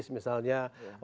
misalnya yang aktivis